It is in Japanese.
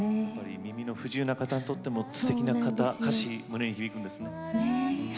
耳の不自由な方にとってもすてきな歌詞胸に響くんですね。